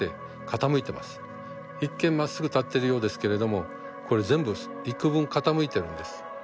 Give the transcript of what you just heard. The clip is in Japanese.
一見まっすぐ立ってるようですけれどもこれ全部幾分傾いてるんです。